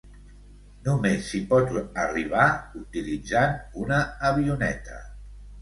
Només s'hi pot arribar utilitzant una avioneta.